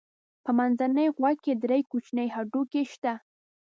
په منځني غوږ کې درې کوچني هډوکي شته.